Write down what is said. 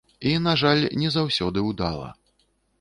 І, на жаль, не заўсёды ўдала.